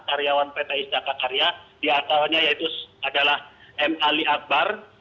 karyawan pt istana karya di atasnya yaitu adalah m ali akbar